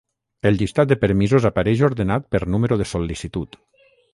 El llistat de permisos apareix ordenat per número de sol·licitud.